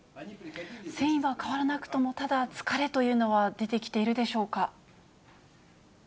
戦意は変わらなくとも、ただ、疲れというのは出てきているでしょうか。